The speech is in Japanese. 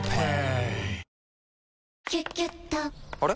あれ？